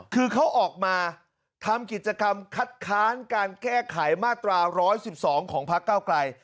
คือเขาออกมาทำกิจกรรมคัดค้านการแก้ไขมาตรา๑๑๒ของพักเก้าไกล